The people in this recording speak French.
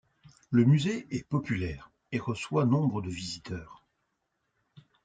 Le musée est populaire et reçoit nombre de visiteurs.